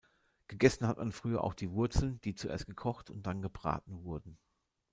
Gegessen hat man früher auch die Wurzeln, die zuerst gekocht und dann gebraten wurden.